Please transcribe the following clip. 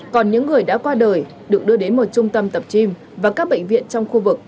còn những người đã qua đời được đưa đến một trung tâm tập chim và các bệnh viện trong khu vực